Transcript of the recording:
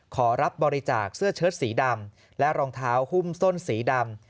ขอรับบริจาคเสื้อเชิดสีดำและรองเท้าหุ้มส้นสีดำ